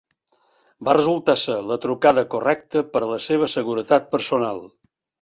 Va resultar ser la trucada correcta per a la seva seguretat personal.